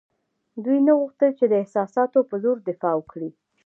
دوی نه غوښتل چې د احساساتو په زور دفاع وکړي.